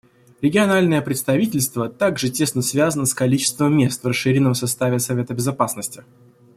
Региональное представительство также тесно связано с количеством мест в расширенном составе Совета Безопасности.